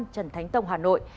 trần thánh tông hà nội